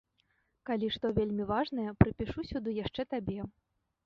Калі што вельмі важнае, прыпішу сюды яшчэ табе.